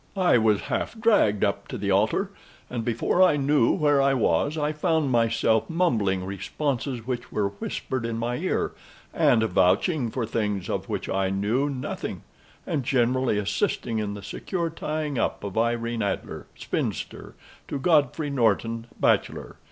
"I was half dragged up to the altar, and, before I knew where I was, I found myself mumbling responses which were whispered in my ear, and vouching for things of which I knew nothing, and generally assisting in the secure tying up of Irene Adler, spinster, to Godfrey Norton, bachelor.